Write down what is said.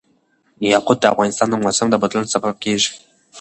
یاقوت د افغانستان د موسم د بدلون سبب کېږي.